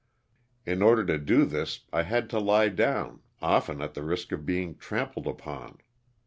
In order to do this I had to lie down often at the risk of being trampled upon.